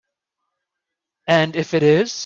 And if it is?